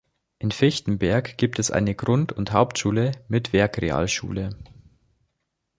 In Fichtenberg gibt es eine Grund- und Hauptschule mit Werkrealschule.